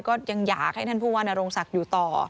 ก็ยังอยากให้ท่านผู้ว่านโรงศักดิ์อยู่ต่อ